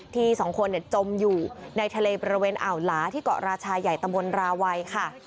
สองคนจมอยู่ในทะเลบริเวณอ่าวหลาที่เกาะราชาใหญ่ตำบลราวัยค่ะ